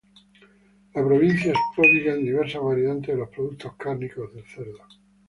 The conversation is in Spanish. La provincia es pródiga en diversas variantes de los productos cárnicos del cerdo.